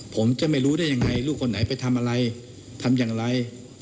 ผมจะไม่รู้ได้ยังไงลูกคนไหนไปทำอะไรทำอย่างไร